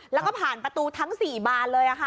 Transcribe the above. แล้วก็ผ่านประตูทั้ง๔บานเลย